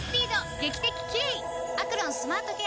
劇的キレイ！